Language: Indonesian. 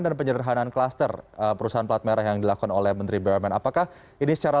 dan penyerahanan klaster perusahaan plat merah yang dilakukan oleh menteri bumn apakah ini secara